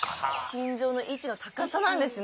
心臓の位置の高さなんですね。